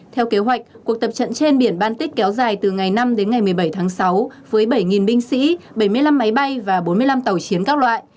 theo kế hoạch cuộc tập trận trên biển baltic kéo dài từ ngày năm đến ngày một mươi bảy tháng sáu với bảy binh sĩ bảy mươi năm máy bay và bốn mươi năm tàu chiến các loại